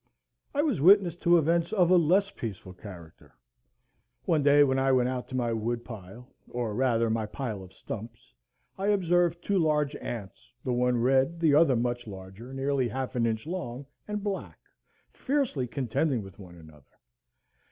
I was witness to events of a less peaceful character. One day when I went out to my wood pile, or rather my pile of stumps, I observed two large ants, the one red, the other much larger, nearly half an inch long, and black, fiercely contending with one another.